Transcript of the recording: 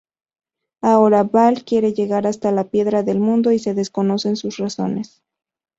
Ahora Baal quiere llegar hasta la Piedra del Mundo y se desconoce sus razones.